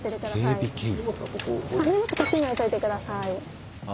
荷物こっちに置いといて下さい。